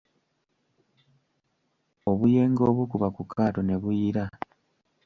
Obuyengo obukuba ku kaato ne buyira.